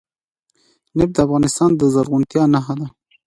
نفت د افغانستان د زرغونتیا نښه ده.